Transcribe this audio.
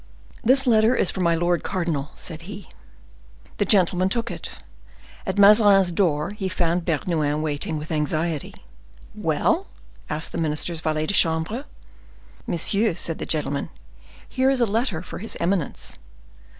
"This letter for my lord cardinal," said he. The gentleman took it. At Mazarin's door he found Bernouin waiting with anxiety. "Well?" asked the minister's valet de chambre. "Monsieur," said the gentleman, "here is a letter for his eminence."